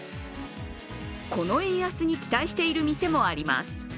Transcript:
この円安に期待している店もあります。